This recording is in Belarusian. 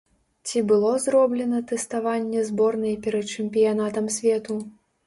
Ці было зроблена тэставанне зборнай перад чэмпіянатам свету?